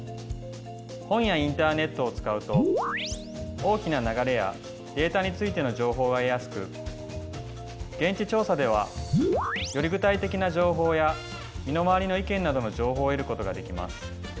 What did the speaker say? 本やインターネットを使うと大きな流れやデータについての情報が得やすく現地調査ではより具体的な情報や身の回りの意見などの情報を得ることができます。